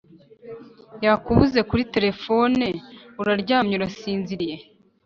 yakubuze kuri telephone, uraryamye urasinziriye